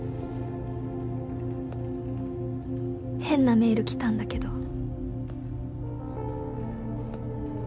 「変なメール来たんだけど」